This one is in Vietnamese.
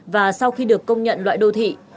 và sau khi được công nhận loại đô thị